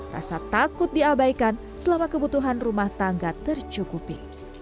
rasa takut diabaikan selama kebutuhan rumah tangga tercukupi